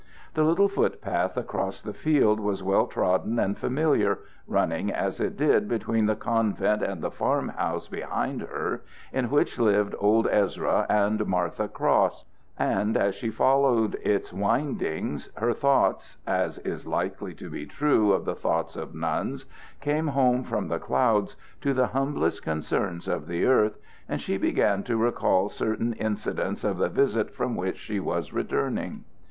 The little foot path across the fields was well trodden and familiar, running as it did between the convent and the farm house behind her in which lived old Ezra and Martha Cross; and as she followed its windings, her thoughts, as is likely to be true of the thoughts of nuns, came home from the clouds to the humblest concerns of the earth, and she began to recall certain incidents of the visit from which she was returning.